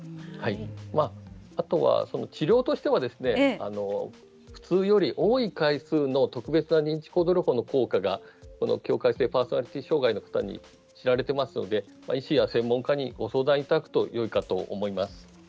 あとは、治療としては普通より多い回数の特別な認知行動療法の効果が境界性パーソナリティー障害では知られていますので医師や先生に相談されるとよいかと思います。